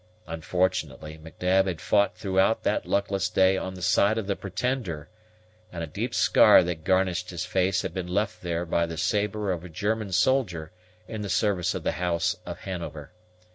Unfortunately, M'Nab had fought throughout that luckless day on the side of the Pretender; and a deep scar that garnished his face had been left there by the sabre of a German soldier in the service of the House of Hanover.